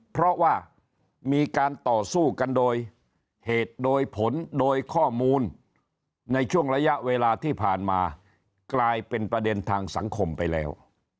เพราะว่ามีการต่อสู้กันโดยเหตุโดยผลโดยข้อมูลในช่วงระยะเวลาที่ผ่านมากลายเป็นประเด็นทางสังคมไปแล้ว